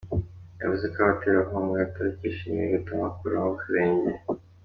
Yavuze ko abaterankunga batabyishimiye bigatuma bakuramo akarenge.